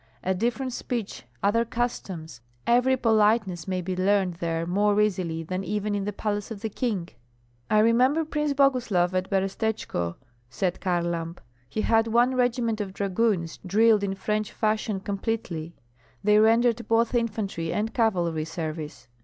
A different speech, other customs, every politeness may be learned there more easily than even in the palace of the king." "I remember Prince Boguslav at Berestechko," said Kharlamp; "he had one regiment of dragoons drilled in French fashion completely, they rendered both infantry and cavalry service.